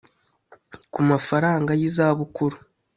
ku mafaranga yi zabukuru